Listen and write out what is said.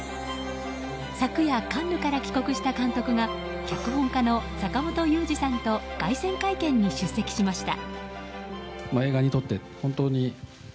昨夜、カンヌから帰国した監督が脚本家の坂元裕二さんと凱旋会見に出席しました。